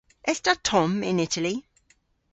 Es ta tomm yn Itali?